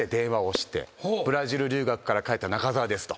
「ブラジル留学から帰った中澤です」と。